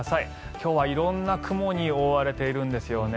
今日は色んな雲に覆われているんですよね。